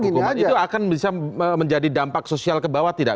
itu akan bisa menjadi dampak sosial kebawah tidak